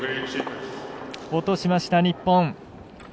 落としました、日本。